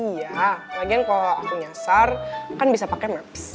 iya lagian kalau aku nyasar kan bisa pakai maps